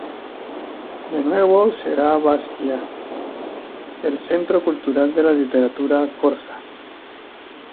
De nuevo será Bastia el centro cultural de la literatura corsa.